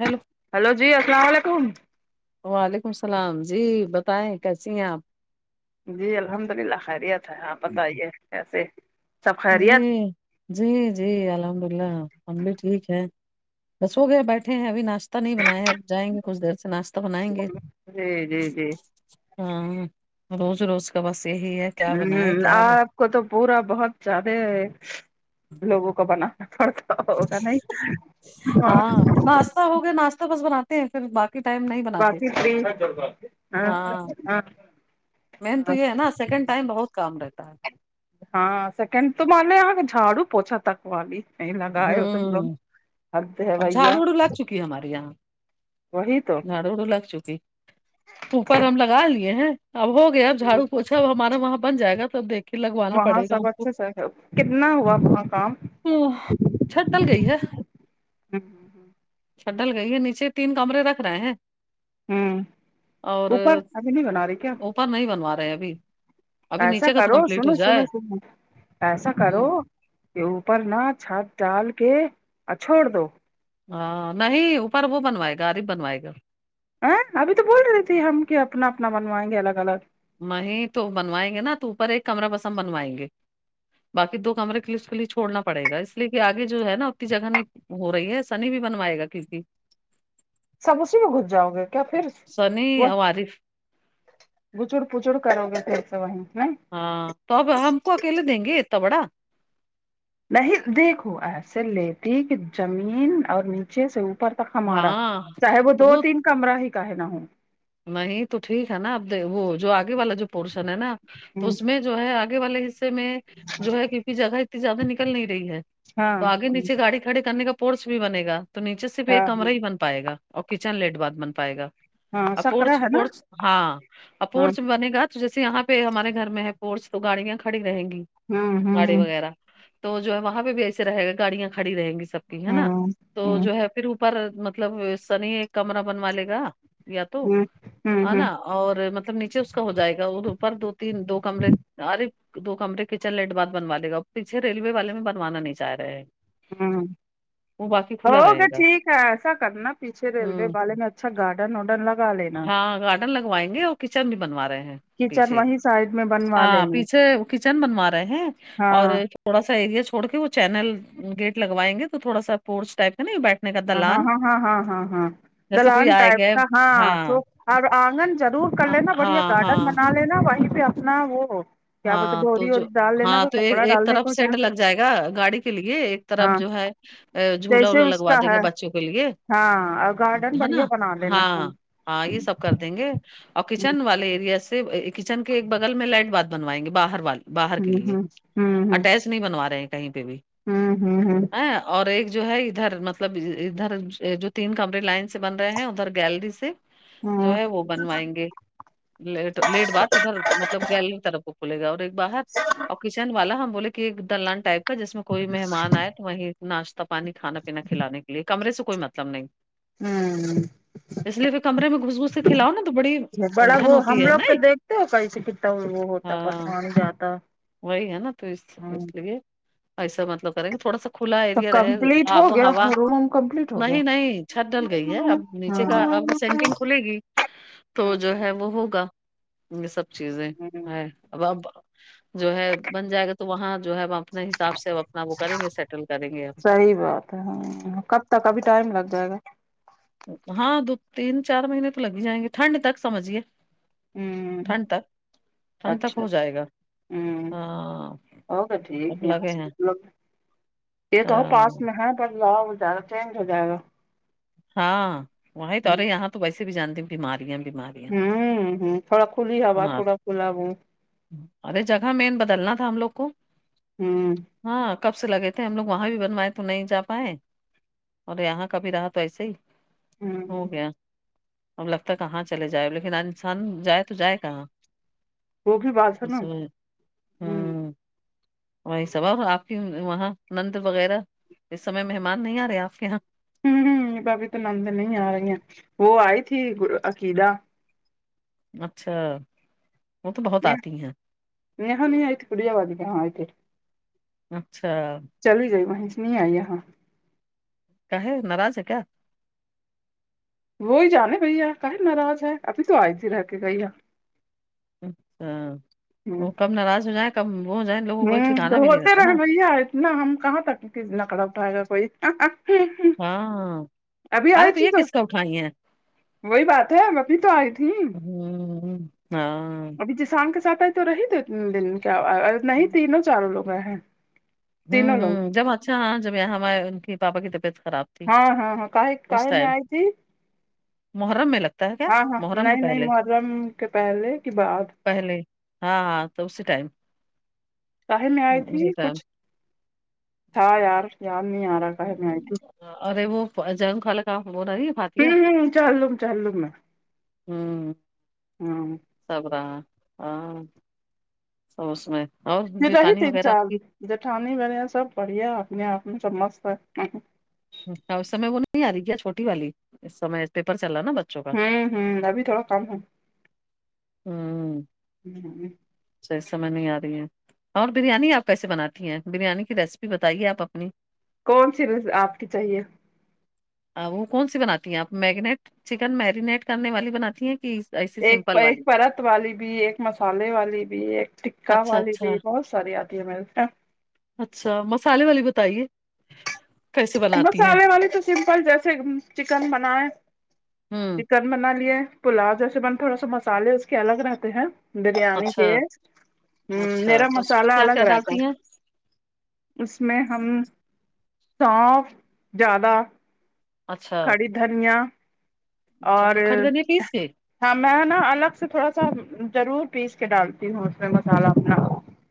hello hello جی السلام علیکم وعلیکم السلام جی بتائیں کیسی ہیں آپ جی الحمد للہ خیریت ہے آپ بتائیے کیسے سب خیریت جی جی جی الحمد اللہ ہم بھی ٹھیک ہے بس ہو گیا بیٹھے ہیں ابھی ناشتے تا نہیں بنیا اب جائیں گے کچھ دیر سے ناشتہ بنیں گے جی جی جی ہاں روز روز کا بس یہی ہے ا کیا بنائے [unintelligible] کیا ب- آپ کو تو پورا بہت زیادہ لوگوں کو بنانا پڑتا ہوگا نہیں اور ہاں ناشتہ ہو گیا ناشتہ بس بناتے ہیں پھر باقی ٹائم نہیں ب باقی تین ہاں ہاں مین ہاں تو یہ ہے نا سیکنڈ ٹائم بہت کام رہتا ہے ہاں سیکنڈ تو مان لے یہاں کے جھاڑو پوچا تک والی نہیں لگائے ہو تو تم لوگ ہوں حقت ہے اب بھیا جھاڑو وڑو لگ وہی تو جھاڑوڑو لگ چکی اوپر ہم لگا لیے ہیں اب ہو گیا جھاڑو پوچا اب ہمارا وہاں بن جائے گا تب دیکھ کے لگوانا وہاں پڑے گا ہم سب کو اچھے سے کتنا ہوا وہاں کام ہ چھٹل گئی ہے ہ چھٹل گئی ہے نیچے تین کمرے رکھ رہے ہیں ہوں اور اوپر ابھی نہیں بنا رہی کیا اوپر نہیں بنوا رہے ہیں ابھی ابھی ایسا نیچے کا تو کرو کمپلیٹ ہو سنو جائے سنو سنو ایسا کرو ہوں، یہ اوپر نا چھت ڈال کے اور چھوڑ دو ہاں نہیں اوپر وہ بنوائے گا ارب بنوائے گا ا ابھی تو بول رہی تھی ہم کہ اپنا اپنا بنوائیں گے الگ الگ وہ تو بنوائیں گے نا تو اوپر ایک کمرہ پسند بنوائیں گے باقی دو کمرے لی اس کے لیے چوڑنا پڑ گا اس لیے کہ آگے جو ہے نا اتنی جگہ نہیں ہو رہی ہے سنی بھی بنوائے گا کیونکہ سب اسی میں گھس جاؤ گے کیا پھر سنی وہ اور عارف گچڑ پچڑ کرو گے پھر سے وہیں نائی ہاں تو اب ہم کو اکیلے دیں گے اتنا بڑا نہیں دیکھو ایسے لیتی کہ زمین اور نیچے سے اپر تک ہمارا ہاں چاہے وہ تو دو تین کمرہ ہی کاہے نا ہو نہیں تو ٹھیک ہے نا اب وہ جو آگے والا جو پورشن ہے نا تو ہوں اس میں جو ہے آگے والے حصے میں جو ہے کیوکہ جگہ اتنی زیادہ نکل نہیں رہی ہے تو ہاں اگے نیچے گاڑی کھڑے کرنے کا پورس بھی بنے گا تو نیچے صرف ہاں ایک کمرہ ہی بن پائے گا اور کچن لیٹ بعد بن پائے گا ہاں سکرا اپورس ہے نا پس ہاں ہاں اپورس بنے گا جیسے یہاں پہ ہمارے گھر میں ہے پورس تو گاڑیاں کھڑی رہیں گی ہوں گاڑی ہ وغیرہ تو جو ہے وہاں پہ بھی ایسے رہے گا گاڑیاں کھڑی رہیں گی سب کی ہے ہ نا تو ہ جو ہے پھر اوپر مطلب سنی ایک کمرہ بنوا لے گا یا تو ہ ہ ہے اور مطلب نیچے اس کا ہو جائے گا اوپر دو تین دو کمرے ارے دو کمرے کچن لیٹ بعد بنوا لے گا پیچھے ریلوے والے میں بنوانا نہیں چاہ رہے ہیں وہ باقی ہم کھلا رہے اوکے گا ٹھیک ہے ایسا کرنا پیچھے ریلوے ہوں والے میں اچھا گارڈن وڈن لگالے نا ہاں گارڈن لگوائیں گے اور کچن بھی بنوا رہے ہیں کچن پیچھے وہیں سائڈ میں بنوا ہاں لینا پیچھے کچن بنوا رہے ہیں اور ہاں تھوڑا سا ایریا چھڑ کے وہ چینل گیٹ لگوائیں گے تو تھوڑا سا پورٹس ٹائپ ہے نا بیٹھنے کا ہاں ہاں دلان ہاں ہاں ہاں ہاں ہاں جیسے دلان کوئی آئے ٹائپ گئے کا ہاں تو اب انگن ضرور کر آ- لے نا ہاں بڑھیا ہاں گارڈن بنال نا وہیں پہ اپنا وہ بولتے ہاں تو ڈوری جو ووری ڈال لینا ہاں تو ایک کپڑا ایک ڈالنے طرف کو جا سیڈ لگ جائے گا گاڑی کے لیے ایک طرف ہاں جو ہے ا جھولا ولا جیسے اس لگا کا دیں گے ہے بچوں کے لیے ہاں اور گارڈن ہے بڑھیا نا بنا لینا ہاں ہاں یہ سب کر دیں گے اور کچن والے ایریا سے کچن کے ایک بگل میں لائٹ بعد بنوائیں گے باہر والے باہر ہ ہ کے لیے ہ اٹیچ نہیں بنوا رہے ہیں کہیں پہ بھی ہم ہم ہم ا اور ایک جو ہے ادھر مطلب ادھر جو تین کمرے لائن سے بن رہے ہیں ادھر گیلری سے جو ہ ہے وہ بنوائیں گے لیٹ لیٹ بات ادھر مطلب گیلری طرف کھلے گا اور ایک باہر اور کچن والا ہم بولے کہ ایک دلان ٹائپ کا جس میں کوئی مہمان ائے وہیں ناشتہ پانی کھانا پینا کھلانے کے لیے کمرے سے کوئی مطلب نہیں ہم اس لیے پھر کمرے میں گھس گھس سے کلاؤ نا تو بڑی بڑا الجھن وہ ہم ہوتی ہے لوگ نی تو کس کتا وہ وہ ہاں وہی ہے نا تو اس اس ہوں لیے ایسا مطلب کریں گے تھوڑا سا کھلا تو ایریا رہے کمپلیٹ ہو اب گیا ہوا روم کمپلیٹ ہو گیا نہیں نہیں چھت ڈل گئی ہے اب نیچے ہاں کا اب سینٹنگ کھلے گی تو جو ہے وہ ہوگا یہ سب چیز ہے اب جو ہے بن جائے گا تو تو وہاں جو ہے ہم اپنے حساب سے اپنا وہ کریں گے سیٹل کریں گے ہم صحی بات کب تک ابھی ٹائم لگ جائے گا ہاں دو تین چار مہینے تو لگی جائیں گے ٹھنڈ تک سمجھیے ہم ٹھنڈ تک ٹھنڈ تک اچھا ہو جائے گا اچھا ہم ہاں اور تو ٹھیک اب یہاں لگے سے ہیں مطلب یہ تو ہاں پاس میں ہے بنواؤں یہ زیادہ چینج ہو جائے گا ہاں وہیں تو ارے یہاں تو ویسے بھی جانتے بیماریاں بیماری ہم تھوڑا کھلی ہا تھوڑا کھلا رم ارے جگہ مین بدلنا تھا ہم لوگ کو ہم ہاں کب سے لگے تھے ہم لوگ وہاں بھی بنوائے تو نہیں جا پائے اور یہاں کبھی رہ ویسے ہی ہوں ہو گیا اب لگتا ہے کہاں چلے جائے لیکن انسان جائے تو جائے کہاں وہ بھی بات سنو اس میں ہم ہوں وہی سب اور آپ کی وہاں نند وغیرہ اس سمے مہمان نہیں آ رہے آپ کے یہاں ہمم ہمم ابھی تو نند نہیں آ رہی ہیں وہ آئی تھی عقیدہ اچھا وہ تو بہت آتی ہیں [unintelligible] اچھا چلی ہی گئی وہیں سے نہیں آئییا یہا کا ہے ناراض ہے کیا وہی جانے بھیا کہیں ناراض ہے ابھی تو آئے بھی رہ کے گئی ہے اچھا ہوں وہ کم ناراض ہو جائیں کم وہ ہو جائیں لوگوں کوئی ٹھکانا بھی نہیں رہتا نا نہ ہم کہاں تک ک نقل اٹھائے گا کوئی ہاں ابھی ارے آئی تو تھی یہ کس کو اٹھائی ہیں وہی بات ہے ابھی تو آئی تھی ہمم ہاں جی سگ کے ساتھ آئی تو رہی دو ت دن کیا نہیں تینوں چاروں لوگ ہیں ہمم تینوں لوگ ہمم جب اچھااں جب یہاں ہمارے ان کی پاپا کی طبیعت خراب تھی ہاں ہاں ہاں کا اس کہے میں ٹائم آئی تھی محرم مل ہاں ہاں نہیں نہیں محرم کے پہلے کی بعات پہلے ہاں ہاں تو اسی ٹائم قاہے میں آئی تھی اسی ٹائم کچھ تھا یار یاار نہیں آ رہا کاے میں آئی تھی [unintelligible] ہمم ہمم چہلم چہلم میں ہمم ہاں سب رہا ہاں سب اس میں اور پھر رہی جیٹھانی تین وغیرہ چار آپ کی دن جٹھانی بیا سب بڑھیا اپنے آپ میں سب مست ہے ہ اسمے وہ نہیں آ رہی کیا چھوٹی والی اسمے پیپر چل رہا نا بچ ہمم ہمم ابھی تھوڑا کم ہے ہمم [unintelligible] چائ سمجھ نہیں ارہی ہے اور بریانی آپ کیسے بناتی ہیں بریانی کی ریسیپی بتائیے آپ اپنی کون سی رز آپ کی چاہیے آ وہ کون سی بناتی ہیں آپ میگنیٹ چکن میرینیٹ کرنے والی بناتی ہیں کہ ایسی ایک سمپل ایک والی پرت والی بھی ایک مسالے والی بھی ایک ٹکہ اچھا والی اچھا بھی بہت ساری آتی ہے میرے اچھا مسالے والی بتائیے کیسے بناتی ہیں مسالے والے تو سمپل جیسے چکن بنائے ہمم چن بنا لیے پلاؤ جیسے بن تھوڑا سا مسالے اس کے الگ رہتے ہیں بریانی کے اچھا ہمم اچھا میرا تو اس میں مسالہ کیا کیا الگ رہتا ڈالتی ہیں ہے اس میں ہم سونف زیادہ اچھا کھڑی دھنیا اور اچھا خریدنی پیس کے ہاں میں نا الگ سے تھوڑا سا ضرور پیس کے ڈالتی ہوں اس میں مسالہ اپنا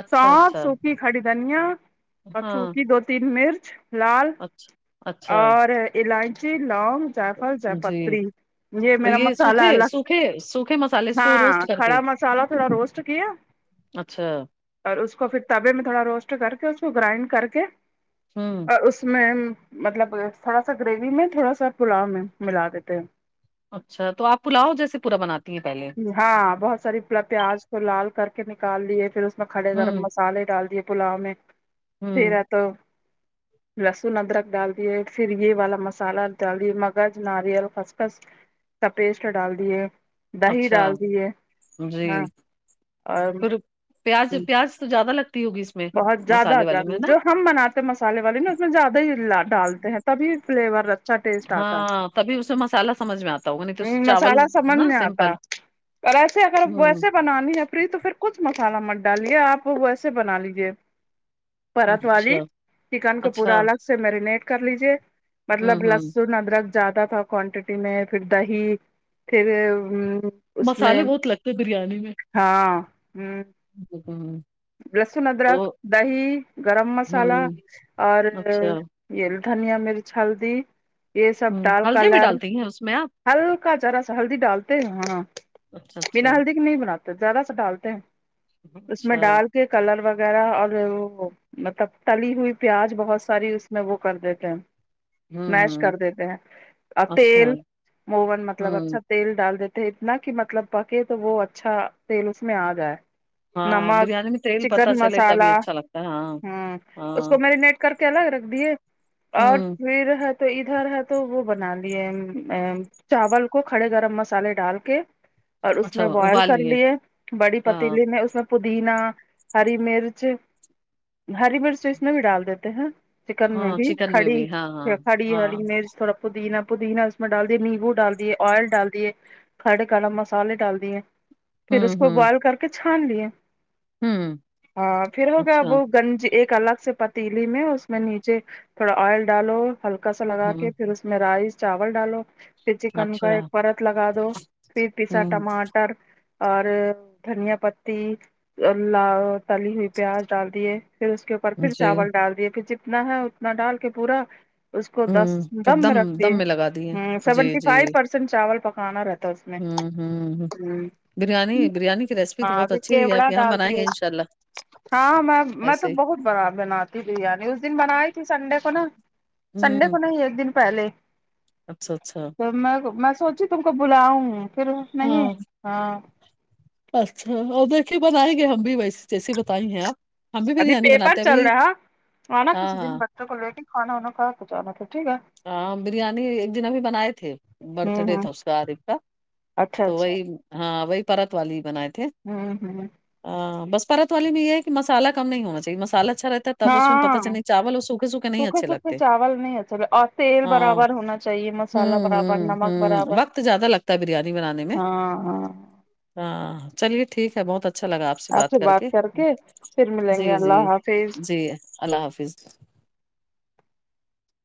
اچھا سونف اچھا سوکی کھڑی دھنیا اور ہاں سوکی دو تین مرچ لال اچھا اچھا اور الائچی لونگ جائفل جائے پت جی تری یہ تو میرا مسالا سوکھے الگ سوکھے سوکھے مسالے اس کو ہاں روسٹ کر کے کڑا مسالا تھوڑا روس چکےیا اچھا اور اس کو پھر توا میں تھوڑا روسٹ کر کے اس کو گرائنڈ کر کے ہوں اور اس میں مطلب تھوڑا سا گریوی میں تھوڑا سا پلاؤ میں ملا دیتے ہیں اچھا تو آپ پلاؤ جیسے پورا بناتی ہیں پہلے ہاں بہت ساری پیاز کو لال کر کے نکال لیے پھر اس میں کھڑے گرم ہوں مسالے ڈال دیے پلاؤ میں پھر ہوں ہے تو لہسن ادرک ڈال دیے پھر یہ والا مسالہ ڈال دیے مگھ ناریل خسخس کا پیسٹ ڈال دیے دہی اچھا ڈال دیے ہاں جی اور پھر پیاز پیاز تو زیادہ لگتی ہوگی اس میں بہت زیادہ مسالے والے زیادہ میں نا جو ہم بناتے ہیں مسالے والے نا اس میں زیادہ ہی ڈالتے ہیں تبھی فلیور اچھا ٹیسٹ آتا ہے ہاں تبھی اس میں مسالہ سمجھ میں آتا ہوگا نہیں تو ہوں چاول مسالا سمجھ نا میں آتا سمپل اور ایسے اگر ہوں ویسے بنانی ہے پھر تو پھر کچھ مسالہ مت ڈالے آپ ویسے بنا لیجے اچھا چکن کو پورا اچھا الگ سے میرینیٹ کر لیجے ہوں مطلب ہوں لسن ادرک زیادہ تھا کوانٹیٹی میں پھر دہی پھر اس مسالے میں بہت لگتے ہیں بریانی میں ہاں لہسن تو ادرک دہی گرم مسالہ ہوں اور اچھا پھر دھنیا مرچ ہلدی یہ سب ہوں ڈال ہلدی بھی کلر ڈالتی ہیں اس میں آپ ہلکا جارا سا ہلدی ڈالتے ہیں ہاں اچھا بنا اچھا ہلدی کی نہیں بناتے ذرا سا ڈالتے ہیں اس میں اچھا ڈال کے کلر وغیرہ اور وہ مطلب تلی ہوئی پیاز بہت ساری اس میں وہ کر دیتے ہیں ہوں میش ہوں کر دیتے ہیں اور تیل اچھا اوون مطلب ہوں اچھا تیل ڈال دیتے اتنا کہ مطلب پکے تو وہ اچھا تیل اس میں آ جائے ہاں نمک بریانی میں تیل چکن پتہ چلے تبھی مسالہ اچھا لگتا ہے ہاں ہوں اس ہاں کو میرینیٹ کر کے الگ رکھ دیے اور ہوں پھر ہے تو ادھر ہے تو وہ بنا لیے چاول کو کھڑے گرم مسالے ڈال کے اور اس اچھا میں بوائل ابال کر لیے بڑی ہاں پتیلی میں اس میں پودینہ ہری مرچ ہری مرچ اس مے بھی ڈال دیتے ہیں چکن میں ہاں بھی چکن میں کھڑی بھی ہاں ہاں کڑی ہاں ہری مرچ تھوڑا پودینا پودینا اس میں ڈال دیے نیمو ڈال دیے آئل ڈال دیے کھڑے گرم مسالے ڈال دیے پھر اس ہوں کو ہوں بوائل کر کے چھان لیے ہوں ہاں پھر ہوگیا اچھا وہ گنج ایک الگ سے پت پتیلی میں اس میں نیچے تھوڑا آئل ڈالو ہلکا سا لگا ہوں کے پھر اس میں رائس چاول ڈالو پھر چکن کا اچھا ایک پرت لگا دو پھر پیسا ہوں ٹماٹر اور دھنیا پتی ل تلی ہوئی پیاز ڈال دیے پھر اس کے اوپر پھر جی چاول ڈال دیے پھر جتنا ہے اتنا ڈال کے پورا اس کو دس ہوں تو دم میں رکھ دیے دم میں لگا دیے ہوں جی سیونٹی جی فائیو پرسینٹ چاول پکانا رہتا ہے اسمے ہوں ہوں ہوں بریانی بریانی کی ریسیپی تو بہت پھر اچھی رہی ہے آپ کیوڑا یہاں دال بنائیں گے انشاء اللہ ہاں میں میں تو ایسے ہی بہت بں بناتی بریانی اس دن بنائی تھی سنڈے کو نا سنڈے کو ہوں نہیں ایک دن پہلے اچھا اچھا میں میں سوچی تم کو بلاؤں پھر نہیں ہاں ہاں اچھا اور ویسے ہی بنائیں گے ہم بھی ویس جیسی بتائی ہیں آپ ہم بھی ابھی بریانی پیپر بناتے ابھی ہاں ہاں تو کو ریٹیھانا ہوا کاہ جانا تھا ٹھیک ہے ہاں بریانی ایک دن ابھی بنائے تھے برتھ ہوں ڈے ہوں تھا اس کا عریب کا اچھا تو اچھا وہی ہاں وہی پرت والی ہی بنائے تھے ہوں ہوں بس پرت والے میں یہ ہے کہ مسالہ کم نہیں ہونا چاہیے مسالا اچھا رہتا تب اس میں پتا ہاں چل نہیں چاول اور سوکھے سوکھے نہیں اچھے لگتے [unintelligible] [unintelligible] تیل ہاں برابر ہونا چاہیے مسالہ ہوں برابر ہوں نمک ہوں برابر وقت زیادہ لگتا ہے بریانی بنانے میں ہاں ہاں ہاں چلیے ٹھیک ہے بہت اچھا اچھا لگا آپ سے بات کر کے جی جی جی اللہ حافظ